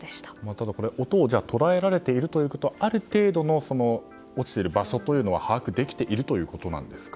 ただ、これ音を捉えられているということはある程度の落ちている場所というのは把握できているというですか。